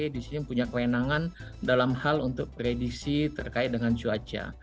di sini punya kewenangan dalam hal untuk prediksi terkait dengan cuaca